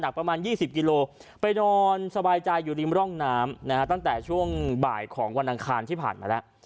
ประมาณ๒๐กิโลไปนอนสบายใจอยู่ริมร่องน้ำนะฮะตั้งแต่ช่วงบ่ายของวันอังคารที่ผ่านมาแล้ว